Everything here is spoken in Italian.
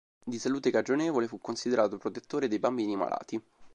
Di salute cagionevole fu considerato protettore dei bambini malati.